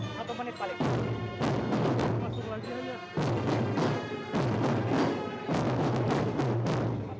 para pembawa baki